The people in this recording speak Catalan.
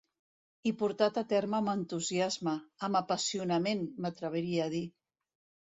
I portat a terme amb entusiasme, amb apassionament, m'atreviria a dir.